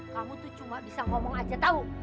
kamu tuh cuma bisa ngomong aja tau